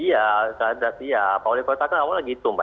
iya saya lihat dia pak wali kota awalnya gitu mbak